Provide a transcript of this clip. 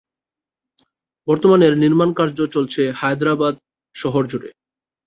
বর্তমানে এর নির্মাণ কার্য চলছে হায়দ্রাবাদ শহর জুড়ে।